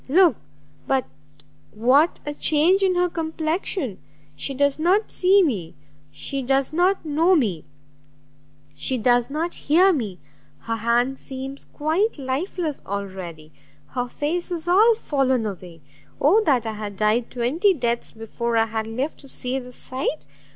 look but what a change in her complexion! She does not see me, she does not know me, she does not hear me! her hand seems quite lifeless already, her face is all fallen away! Oh that I had died twenty deaths before I had lived to see this sight!